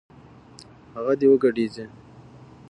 هغه دې وګډېږي